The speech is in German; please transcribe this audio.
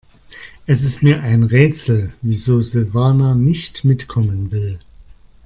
Es ist mir ein Rätsel, wieso Silvana nicht mitkommen will.